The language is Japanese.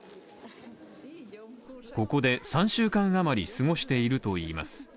ここで３週間あまり過ごしているといいます